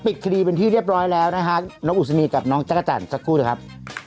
ปิดคดีเป็นที่เรียบร้อยแล้วนะฮะน้องอุศนีกับน้องจักรจันทร์สักครู่นะครับ